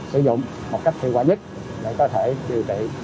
hy vọng rất hẳn là giảm đi tỷ lệ tử vong